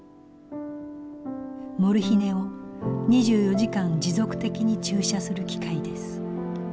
モルヒネを２４時間持続的に注射する機械です。